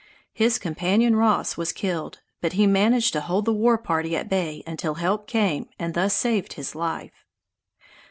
His companion Ross was killed, but he managed to hold the war party at bay until help came and thus saved his life.